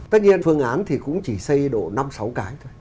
tất nhiên phương án thì cũng chỉ xây độ năm sáu cái thôi